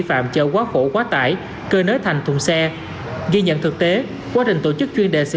phạm chở quá khổ quá tải cơi nới thành thùng xe ghi nhận thực tế quá trình tổ chức chuyên đề xây